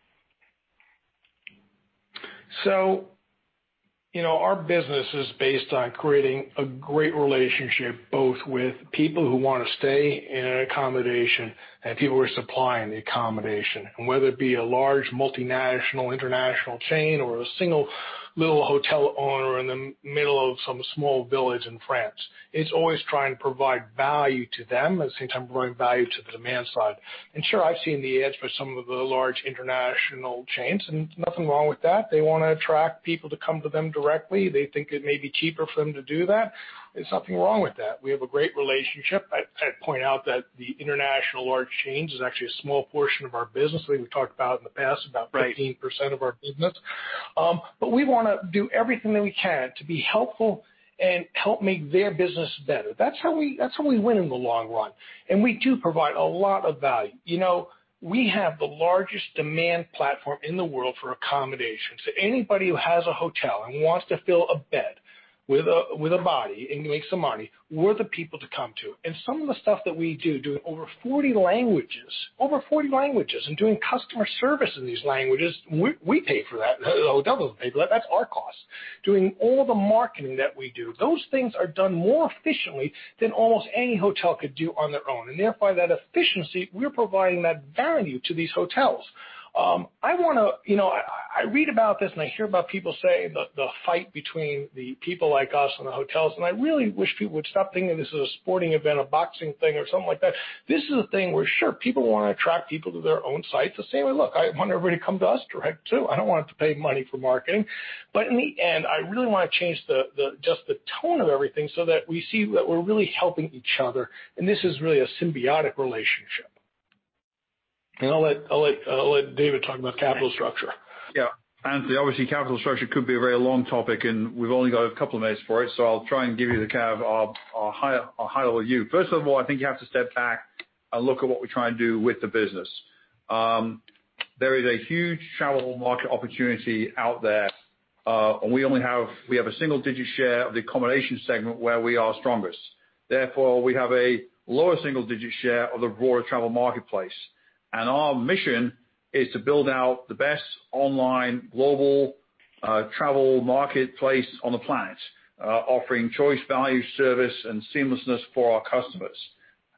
Our business is based on creating a great relationship, both with people who want to stay in an accommodation and people who are supplying the accommodation, whether it be a large multinational international chain or a single little hotel owner in the middle of some small village in France. It's always trying to provide value to them at the same time providing value to the demand side. Sure, I've seen the ads for some of the large international chains, and nothing wrong with that. They want to attract people to come to them directly. They think it may be cheaper for them to do that. There's nothing wrong with that. We have a great relationship. I'd point out that the international large chains is actually a small portion of our business. We've talked about in the past, about 15% of our business. We want to do everything that we can to be helpful and help make their business better. That's how we win in the long run. We do provide a lot of value. We have the largest demand platform in the world for accommodation. Anybody who has a hotel and wants to fill a bed with a body and make some money, we're the people to come to. Some of the stuff that we do, doing over 40 languages, and doing customer service in these languages, we pay for that. The hotel doesn't pay for that. That's our cost. Doing all the marketing that we do, those things are done more efficiently than almost any hotel could do on their own. Therefore, that efficiency, we're providing that value to these hotels. I read about this and I hear about people say the fight between the people like us and the hotels. I really wish people would stop thinking this is a sporting event, a boxing thing or something like that. This is a thing where sure, people want to attract people to their own sites. The same way, look, I want everybody to come to us direct too. I don't want to have to pay money for marketing, but in the end, I really want to change just the tone of everything so that we see that we're really helping each other, and this is really a symbiotic relationship. I'll let David talk about capital structure. Anthony, obviously, capital structure could be a very long topic, and we've only got a couple of minutes for it. I'll try and give you the kind of a high level view. First of all, I think you have to step back and look at what we're trying to do with the business. There is a huge travel market opportunity out there. We have a single digit share of the accommodation segment where we are strongest. Therefore, we have a lower single digit share of the broader travel marketplace. Our mission is to build out the best online global travel marketplace on the planet offering choice, value, service, and seamlessness for our customers.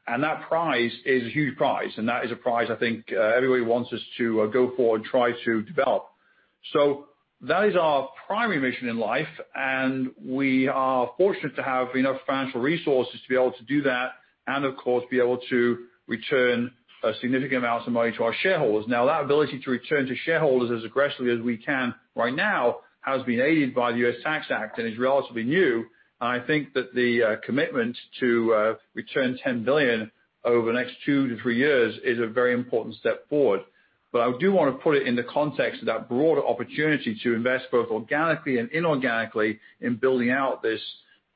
That prize is a huge prize, and that is a prize I think everybody wants us to go forward and try to develop. That is our primary mission in life, and we are fortunate to have enough financial resources to be able to do that, and of course, be able to return significant amounts of money to our shareholders. Now, that ability to return to shareholders as aggressively as we can right now has been aided by the U.S. Tax Act and is relatively new. I think that the commitment to return $10 billion over the next two to three years is a very important step forward. I do want to put it in the context of that broader opportunity to invest both organically and inorganically in building out this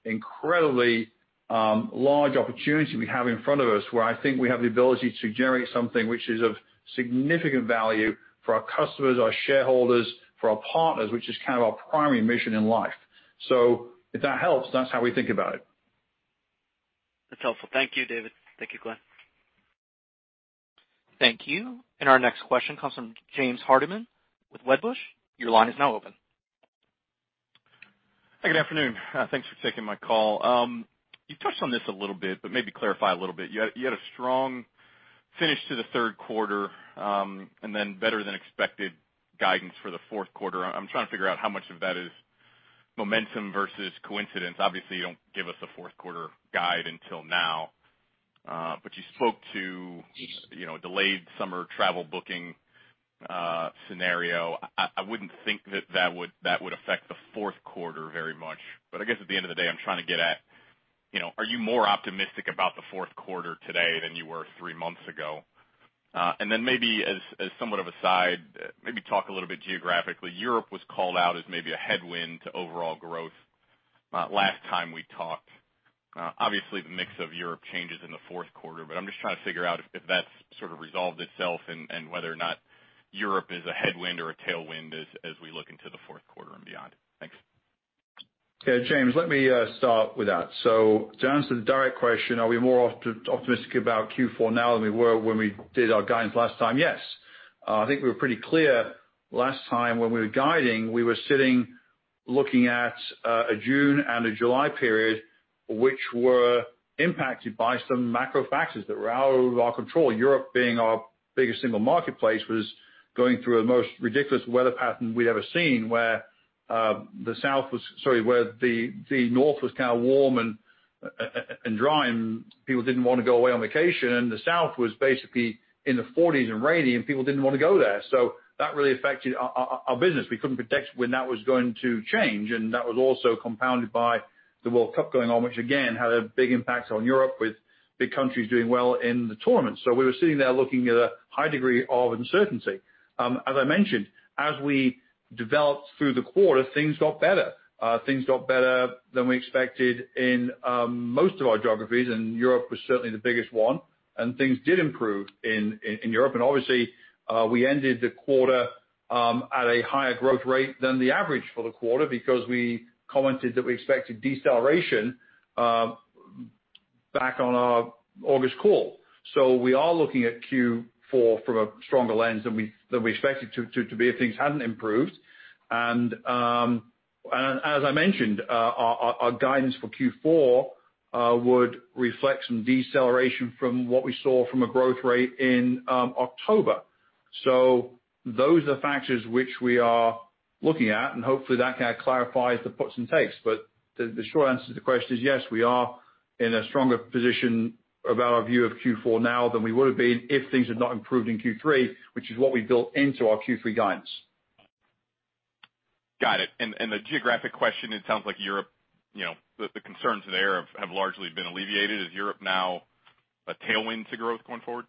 incredibly large opportunity we have in front of us, where I think we have the ability to generate something which is of significant value for our customers, our shareholders, for our partners, which is kind of our primary mission in life. If that helps, that's how we think about it. That's helpful. Thank you, David. Thank you, Glenn. Thank you. Our next question comes from James Hardiman with Wedbush. Your line is now open. Hey, good afternoon. Thanks for taking my call. You touched on this a little bit, maybe clarify a little bit. You had a strong finish to the third quarter, better than expected guidance for the fourth quarter. I'm trying to figure out how much of that is momentum versus coincidence. Obviously, you don't give us a fourth quarter guide until now, you spoke to delayed summer travel booking scenario. I wouldn't think that that would affect the fourth quarter very much, I guess at the end of the day, I'm trying to get at, are you more optimistic about the fourth quarter today than you were three months ago? Maybe as somewhat of a side, maybe talk a little bit geographically. Europe was called out as maybe a headwind to overall growth last time we talked. Obviously, the mix of Europe changes in the fourth quarter, I'm just trying to figure out if that's sort of resolved itself and whether or not Europe is a headwind or a tailwind as we look into the fourth quarter and beyond. Thanks. Yeah, James, let me start with that. To answer the direct question, are we more optimistic about Q4 now than we were when we did our guidance last time? Yes. I think we were pretty clear last time when we were guiding, we were sitting looking at a June and a July period, which were impacted by some macro factors that were out of our control. Europe being our biggest single marketplace, was going through the most ridiculous weather pattern we'd ever seen, where the north was kind of warm and dry, and people didn't want to go away on vacation, and the south was basically in the 40s and rainy, and people didn't want to go there. That really affected our business. We couldn't predict when that was going to change, that was also compounded by the World Cup going on, which again, had a big impact on Europe with big countries doing well in the tournament. We were sitting there looking at a high degree of uncertainty. As I mentioned, as we developed through the quarter, things got better. Things got better than we expected in most of our geographies, Europe was certainly the biggest one, and things did improve in Europe. Obviously, we ended the quarter at a higher growth rate than the average for the quarter because we commented that we expected deceleration back on our August call. We are looking at Q4 from a stronger lens than we expected to be if things hadn't improved. As I mentioned, our guidance for Q4 would reflect some deceleration from what we saw from a growth rate in October. Those are the factors which we are looking at, and hopefully that kind of clarifies the puts and takes. The short answer to the question is, yes, we are in a stronger position about our view of Q4 now than we would have been if things had not improved in Q3, which is what we built into our Q3 guidance. Got it. The geographic question, it sounds like Europe, the concerns there have largely been alleviated. Is Europe now a tailwind to growth going forward?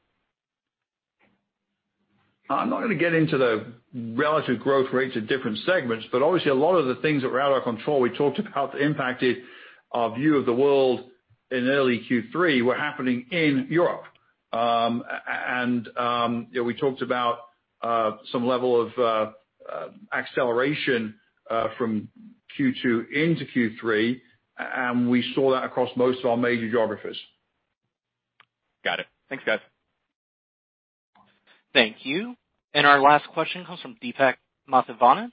I'm not going to get into the relative growth rates of different segments, but obviously a lot of the things that were out of our control, we talked about that impacted our view of the world in early Q3 were happening in Europe. We talked about some level of acceleration from Q2 into Q3, and we saw that across most of our major geographies. Got it. Thanks, guys. Thank you. Our last question comes from Deepak Mathivanan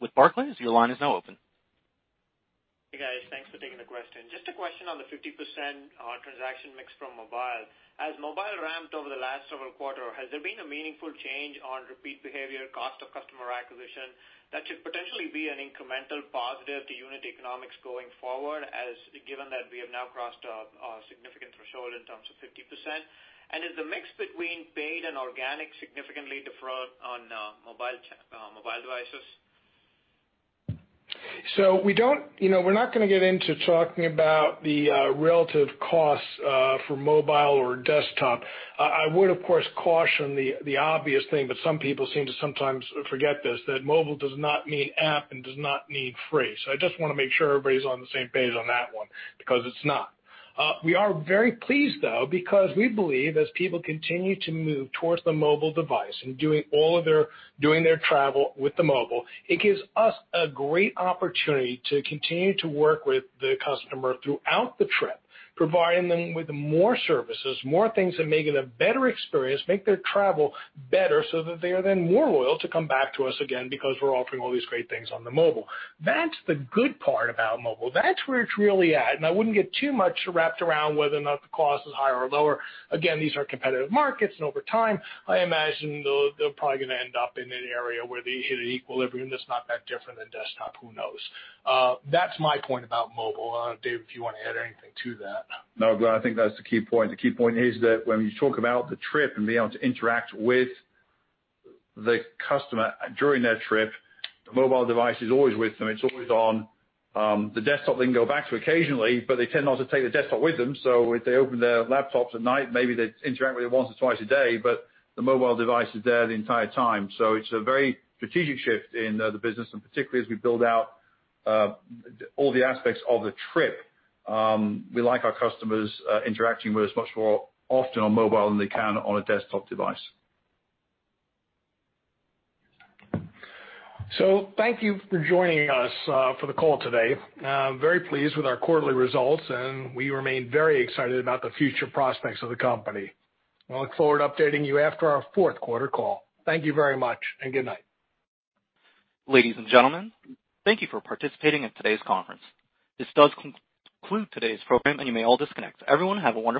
with Barclays. Your line is now open. Hey, guys. Thanks for taking the question. Just a question on the 50% transaction mix from mobile. As mobile ramped over the last several quarter, has there been a meaningful change on repeat behavior, cost of customer acquisition that should potentially be an incremental positive to unit economics going forward, given that we have now crossed a significant threshold in terms of 50%? Is the mix between paid and organic significantly different on mobile devices? We're not going to get into talking about the relative costs for mobile or desktop. I would, of course, caution the obvious thing, but some people seem to sometimes forget this, that mobile does not mean app and does not mean free. I just want to make sure everybody's on the same page on that one, because it's not. We are very pleased, though, because we believe as people continue to move towards the mobile device and doing their travel with the mobile, it gives us a great opportunity to continue to work with the customer throughout the trip, providing them with more services, more things that make it a better experience, make their travel better, so that they are then more loyal to come back to us again because we're offering all these great things on the mobile. That's the good part about mobile. That's where it's really at. I wouldn't get too much wrapped around whether or not the cost is higher or lower. Again, these are competitive markets, and over time, I imagine they're probably going to end up in an area where they hit an equilibrium that's not that different than desktop. Who knows? That's my point about mobile. Dave, if you want to add anything to that. No, Glenn, I think that's the key point. The key point is that when you talk about the trip and being able to interact with the customer during that trip, the mobile device is always with them. It's always on. The desktop they can go back to occasionally, but they tend not to take the desktop with them. If they open their laptops at night, maybe they interact with it once or twice a day, but the mobile device is there the entire time. It's a very strategic shift in the business, and particularly as we build out all the aspects of the trip. We like our customers interacting with us much more often on mobile than they can on a desktop device. Thank you for joining us for the call today. I'm very pleased with our quarterly results, and we remain very excited about the future prospects of the company. We'll look forward to updating you after our fourth quarter call. Thank you very much, and good night. Ladies and gentlemen, thank you for participating in today's conference. This does conclude today's program, and you may all disconnect. Everyone, have a wonderful night.